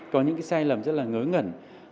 có những cái sai lầm rất là ngớ ngẩn